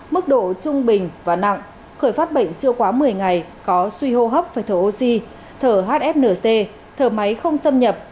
mức độ trung bình và nặng khởi phát bệnh chưa quá một mươi ngày có suy hô hấp phải thở oxy thở hfnc thở máy không xâm nhập